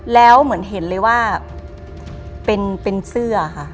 แล้วเหมือนเห็นเลยว่าเป็นเสื้อค่ะ